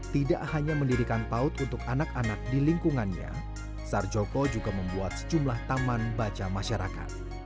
tidak hanya mendirikan paut untuk anak anak di lingkungannya sarjoko juga membuat sejumlah taman baca masyarakat